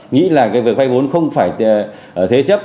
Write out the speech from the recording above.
nghĩ là việc vay bốn không phải thế chấp